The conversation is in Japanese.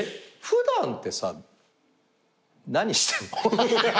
普段ってさ何してんの？